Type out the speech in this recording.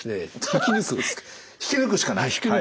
引き抜くしかない。